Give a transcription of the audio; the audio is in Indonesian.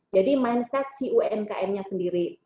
jadi mindset si umkm nya sendiri